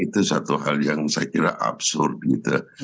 itu satu hal yang saya kira absurd gitu